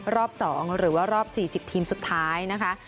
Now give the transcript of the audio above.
รอบ๒หรือว่ารอบ๔๐ทีมสุดท้ายนะคะ